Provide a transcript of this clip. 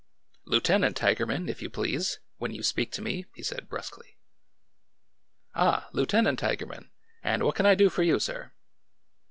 ''Lieutenant Tigerman, if you please, when you speak to me 1 " he said brusquely. "Ah! Lieutenant Tigerman. And what can I do for you, sir